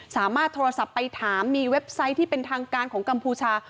สามารถโทรศัพท์ไปถามมีเว็บไซต์ที่เป็นทางการของกัมพูชา